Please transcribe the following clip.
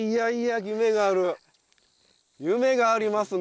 夢がありますね！